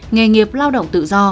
nghề nghiệp lao động tự do